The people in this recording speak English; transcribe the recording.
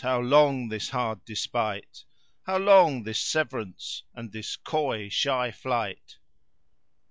how long this hard despite? * How long this severance and this coy shy flight?"